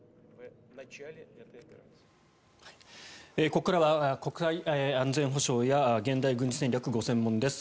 ここからは国際安全保障や現代軍事戦略がご専門です